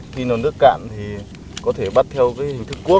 khi nó nước cạn thì có thể bắt theo cái hình thức cuốc